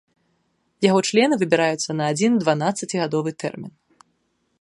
Яго члены выбіраюцца на адзін дванаццацігадовы тэрмін.